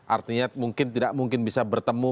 artinya mungkin tidak mungkin bisa bertemu